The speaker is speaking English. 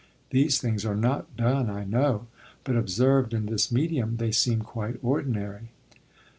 These things are not done, I know; but observed in this medium they seem quite ordinary.